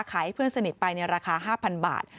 ให้เพื่อนสนิทไปในราคา๕๐๐บาท